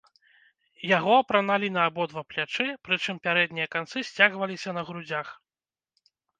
Яго апраналі на абодва плячы, прычым пярэднія канцы сцягваліся на грудзях.